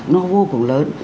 nó vô cùng lớn